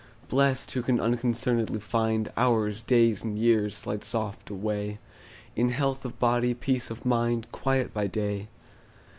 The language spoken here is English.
Blest, who can unconcern'dly find Hours, days, and years, slide soft away In health of body, peace of mind, Quiet by day.